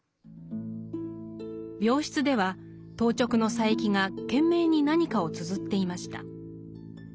病室では当直の佐柄木が懸命に何かをつづっていました。